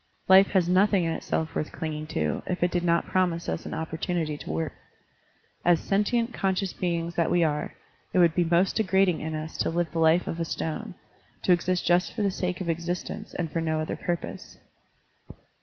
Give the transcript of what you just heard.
Life has nothing in itself worth clinging to, if it did not promise us an opportunity to work. As sentient, conscious beings that we are, it would be most degrading in us to live the life of a stone, to exist just for the sake of existence and for no other purpose.